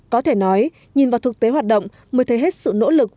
có thể nói nhìn vào thực tế hoạt động mới thấy hết sự nỗ lực